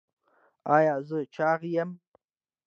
ایا زه چاغ یم؟